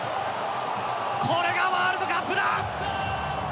これがワールドカップだ！